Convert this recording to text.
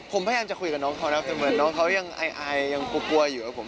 ผมพยายามจะคุยกับน้องเขานะแต่เหมือนน้องเขายังอายยังกลัวอยู่ครับผม